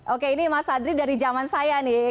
oke ini mas adri dari zaman saya nih